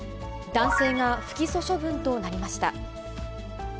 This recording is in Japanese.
男性が不起訴処分となりました。